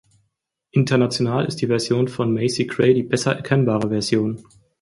International ist die Version von Macy Gray die besser erkennbare Version.